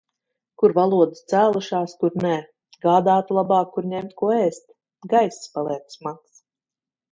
Kur valodas cēlušās, kur nē. Gādātu labāk, kur ņemt ko ēst. Gaiss paliek smags.